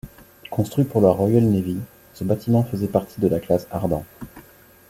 Construit pour la Royal Navy, ce bâtiment faisait partie de la classe Ardent.